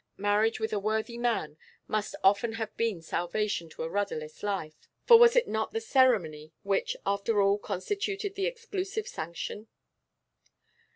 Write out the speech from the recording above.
Marriage with a worthy man must often have been salvation to a rudderless life; for was it not the ceremony which, after all, constituted the exclusive sanction?